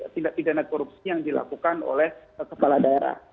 tindak pidana korupsi yang dilakukan oleh kepala daerah